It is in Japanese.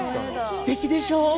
すてきでしょう？